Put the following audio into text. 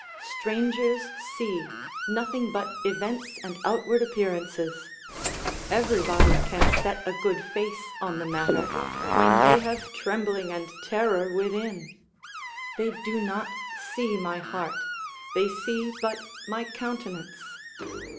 Strangers see nothing but events and outward appearances; everybody can set a good face on the matter, when they have trembling and terror within: they do not see my heart, they see but my countenance.